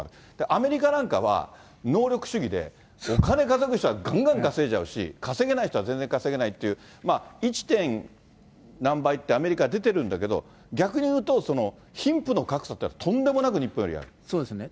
アメリカなんかは、能力主義でお金稼ぐ人はがんがん稼いじゃうし、稼げない人は全然稼げないっていう、１．何倍って、アメリカ出てるんだけど、逆に言うと、貧富の格差っていうのは、そうなんですね。